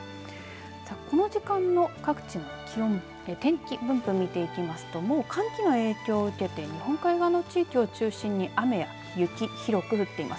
この時間の各地の気温、天気分布見ていきますともう寒気の影響を受けて日本海側の地域を中心に雨や雪広く降っています。